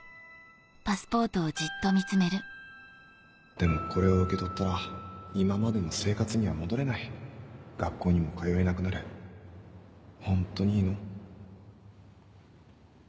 でもこれを受け取ったら今までの生活学校にも通えなくなるホントにいいの？